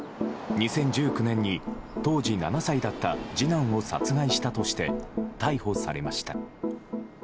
２０１９年に当時７歳だった次男を殺害したとして逮捕されました。